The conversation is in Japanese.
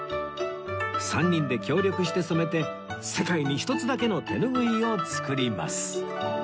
３人で協力して染めて世界に一つだけの手ぬぐいを作ります